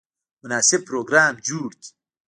مناسب پروګرام جوړ کړي.